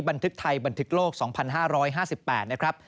บรรทึกไทยบรรทึกโลกสองพันห้าร้อยห้าสิบแปด